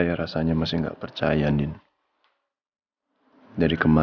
terima kasih terima kasih thank you